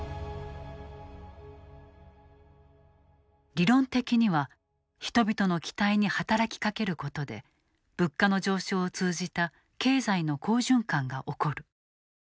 理論的には人々の期待に働きかけることで物価の上昇を通じた経済の好循環が起こる。